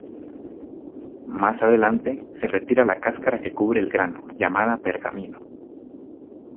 Más adelante, se retira la cáscara que cubre el grano, llamada pergamino.